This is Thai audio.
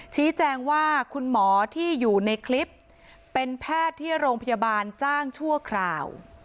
ชี้แจงว่าคุณหมอที่อยู่ในคลิปเป็นแพทย์ที่โรงพยาบาลจ้างชั่วคราว